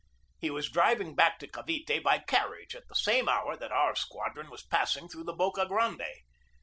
He was driving back to Cavite by carriage at the same hour that our squad ron was passing through the Boca Grande.